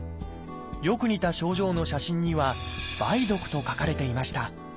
よく似た症状の写真には「梅毒」と書かれていました。